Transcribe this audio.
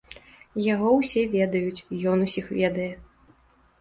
Яго ўсе ведаюць, ён усіх ведае.